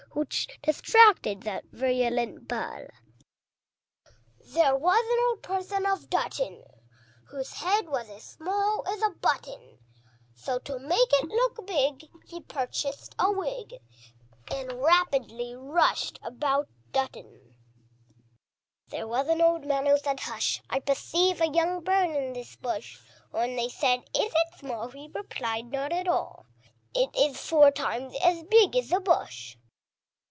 Which distracted that virulent Bull. There was an Old Person of Dutton, Whose head was as small as a button; So to make it look big he purchased a wig, And rapidly rushed about Dutton. There was an Old Man who said, "Hush! I perceive a young bird in this bush!" When they said, "Is it small?" he replied, "Not at all; It is four times as big as the bush!"